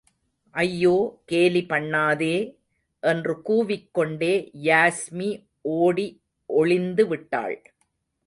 ஐயோ, கேலிபண்ணாதே! என்று கூவிக் கொண்டே யாஸ்மி ஒடி ஒளிந்து விட்டாள்.